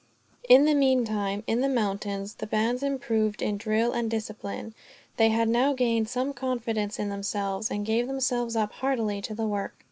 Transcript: In the meantime, in the mountains, the bands improved in drill and discipline. They had now gained some confidence in themselves, and gave themselves up heartily to the work.